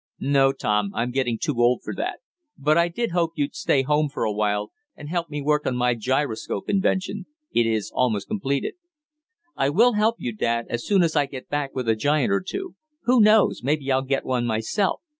"No, Tom, I'm getting too old for that. But I did hope you'd stay home for a while, and help me work on my gyroscope invention. It is almost completed." "I will help you, dad, as soon as I get back with a giant or two. Who knows? maybe I'll get one myself."